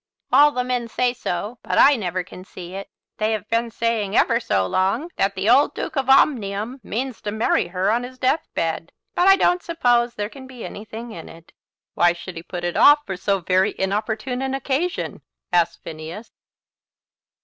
"All the men say so, but I never can see it. They have been saying ever so long that the old Duke of Omnium means to marry her on his deathbed, but I don't suppose there can be anything in it." "Why should he put it off for so very inopportune an occasion?" asked Phineas.